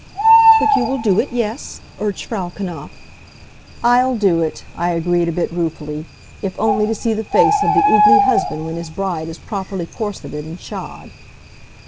"But you will do it, yes?" urged Frau Knapf. "I'll do it," I agreed, a bit ruefully, "if only to see the face of the oogly husband when his bride is properly corseted and shod."